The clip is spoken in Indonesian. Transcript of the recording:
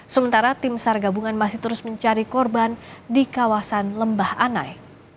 sementara tim sar gabungan masih terus mencari korban di kawasan lembah anai